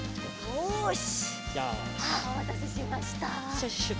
よし！